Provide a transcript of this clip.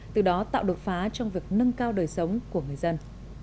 từ đó tạo đột phá trong việc nâng cao đời sống của người dân